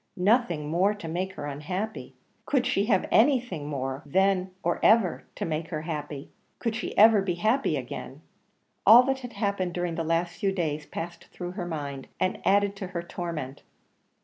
Nothing more to make her unhappy! Could she have anything more, then or ever, to make her happy? Could she ever be happy again? All that had happened during the last few days passed through her mind, and added to her torment.